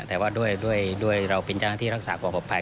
แต่ว่าด้วยเราเป็นเจ้าหน้าที่รักษาความปลอดภัย